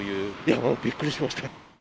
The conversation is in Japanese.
もうびっくりしました。